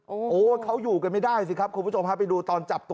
โอ้วเขาอยู่กันไม่ได้สิครับ